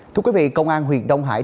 thưa quý vị công an huyện đông hải